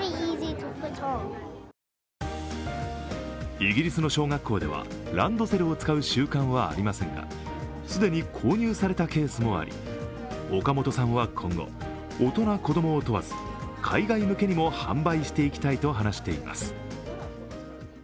イギリスの小学校ではランドセルを使う習慣はありませんが既に購入されたケースもあり岡本さんは今後、大人子供を問わず、海外向けにも販売していきたいと話しています。